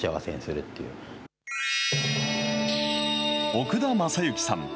奥田政行さん。